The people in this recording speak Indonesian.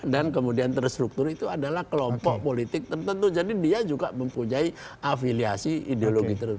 dan kemudian terstruktur itu adalah kelompok politik tertentu jadi dia juga mempunyai afiliasi ideologi tertentu